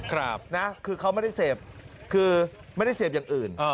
ครับนะคือเขาไม่ได้เสพคือไม่ได้เสพอย่างอื่น